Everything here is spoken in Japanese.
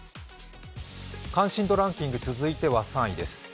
関心度ランキング続いては３位です。